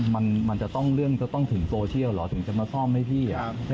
มันก็ต้องใช้โซเชียลเหรอถึงจะมาซ่อมให้พี่